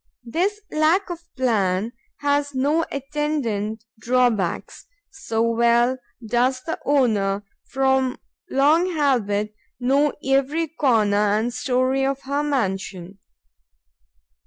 This lack of plan has no attendant drawbacks, so well does the owner, from long habit, know every corner and storey of her mansion.